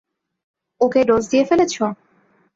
ওকে dose দিয়ে ফেলেছো?